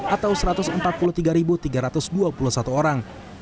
atau satu ratus empat puluh tiga tiga ratus dua puluh satu orang